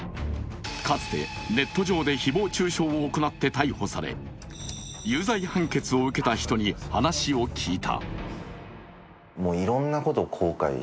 かつてネット上で誹謗中傷を行って逮捕され、有罪判決を受けた人に話を聞いた。